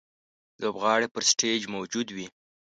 لوبغاړی پر سټېج موجود وي.